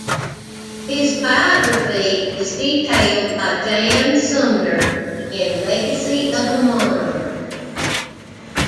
His biography is detailed by Jan Sumner in "Legacy of a Monarch".